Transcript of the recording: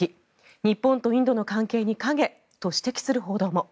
日本とインドの関係に影と指摘する報道も。